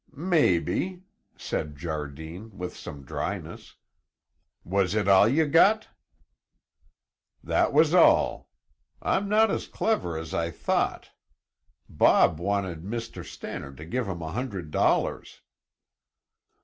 "Maybe!" said Jardine, with some dryness. "Was it all ye got?" "That was all. I'm not as clever as I thought. Bob wanted Mr. Stannard to give him a hundred dollars."